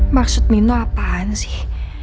maksud nino apaan sih